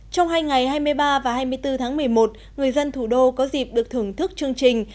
trong hai ngày hai mươi ba và hai mươi bốn tháng một mươi một người dân thủ đô có dịp được thưởng thức chương trình